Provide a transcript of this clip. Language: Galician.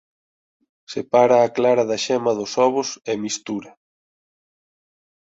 Separa a clara da xema dos ovos e mistura.